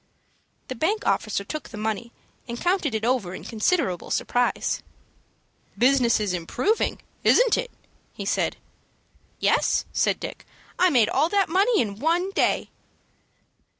The bank officer took the money, and counted it over in considerable surprise. "Business is improving, isn't it?" he said. "Yes," said Dick. "I made all that money in one day."